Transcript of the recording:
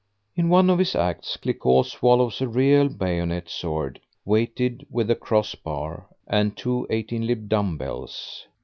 In one of his acts Cliquot swallows a real bayonet sword, weighted with a cross bar, and two 18 lib. dumb bells.